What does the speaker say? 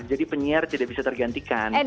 jadi penyiar tidak bisa tergantikan